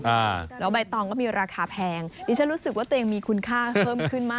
อ่าแล้วใบตองก็มีราคาแพงดิฉันรู้สึกว่าตัวเองมีคุณค่าเพิ่มขึ้นมาก